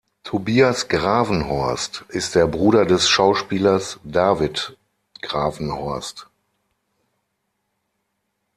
Tobias Gravenhorst ist der Bruder des Schauspielers David Gravenhorst.